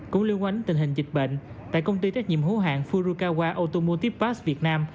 cũng liên quan đến tình hình dịch bệnh tại công ty trách nhiệm hữu hạng furukawa automotive pass việt nam